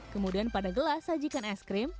kemudian pada gelas sajikan es krim